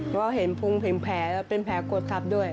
เพราะเห็นแผลแล้วเป็นแผลโกรธรรมด้วย